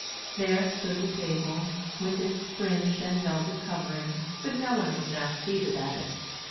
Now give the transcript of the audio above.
There stood the table, with its fringed and velvet covering; but no one was now seated at it.